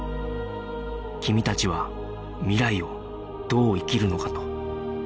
君たちは未来をどう生きるのか？と